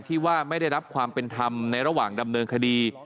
ที่ว่าไม่ได้รับความเป็นธรรมในระหว่างดำเนินคดี